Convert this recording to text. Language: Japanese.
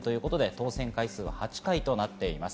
当選回数は８回となっています。